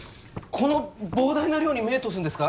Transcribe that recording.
この膨大な量に目通すんですか？